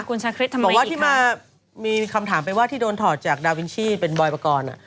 บอกว่าที่มามีคำถามไปว่าที่โดนถอดจากดาวินชีเป็นบอยปกรณ์